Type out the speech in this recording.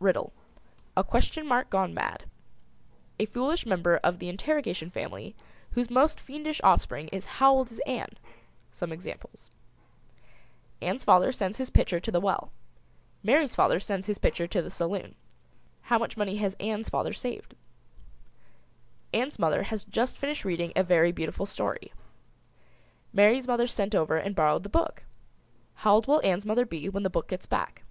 RIDDLE. A question mark gone mad. A foolish member of the Interrogation family whose most fiendish offspring is "How old is Ann?" Some examples: Ann's father sends his pitcher to the well; Mary's father sends his pitcher to the saloon; how much money has Ann's father saved? Ann's mother has just finished reading a very beautiful story. Mary's mother sent over and borrowed the book. How old will Ann's mother be when the book gets back?